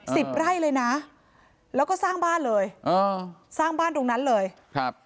สิบไร่เลยนะแล้วก็สร้างบ้านเลยอ่าสร้างบ้านตรงนั้นเลยครับ